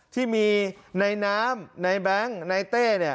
ที่มีในน้ำในแบงค์ในเต้